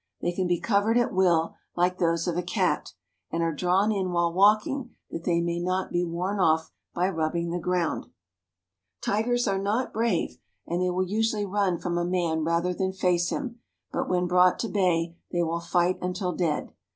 They can be covered at will, like those of a cat, and are drawn in while walking that they may not be worn off by rubbing the ground. Tigers are not brave, and they will usually run from a man rather than face him ; but when brought to bay, they will light until dead.